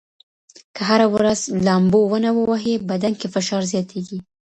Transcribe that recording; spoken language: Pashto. که هره ورځ لامبو ونه ووهئ، بدن کې فشار زیاتېږي.